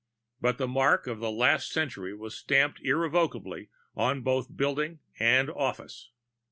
But the mark of the last century was stamped irrevocably on both building and office.